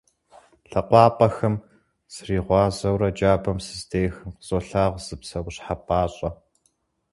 ЛъакъуапӀэхэм сригъуазэурэ джабэм сыздехым, къызолъагъу зы псэущхьэ пӀащэ.